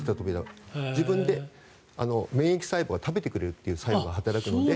自分で免疫細胞が食べてくれるという作用が働くので。